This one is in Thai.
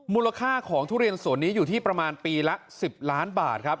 มูลค่าของทุเรียนสวนนี้อยู่ที่ประมาณปีละ๑๐ล้านบาทครับ